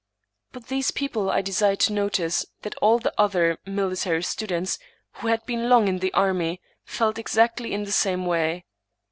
But these people I desired to notice that all the other military students, who had been long in the army, felt exactly in the same way.